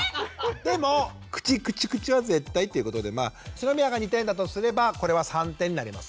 でも口くちゅくちゅは絶対っていうことで篠宮が２点だとすればこれは３点になります。